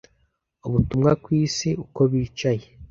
ubutumwa ku isi, uko bicaye